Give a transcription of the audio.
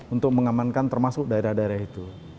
untuk mengamankan termasuk daerah daerah itu